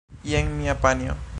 Jen mia panjo!